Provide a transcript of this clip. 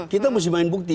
kita mesti main bukti